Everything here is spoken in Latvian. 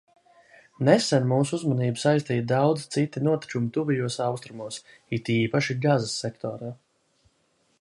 Nesen mūsu uzmanību saistīja daudzi citi notikumi Tuvajos Austrumos, it īpaši Gazas sektorā.